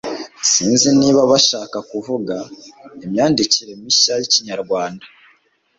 sinziniba bashaka kuvuga imyandikire mishya y'ikinyarwanda